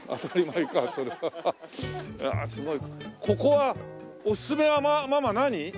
ここはおすすめはママ何？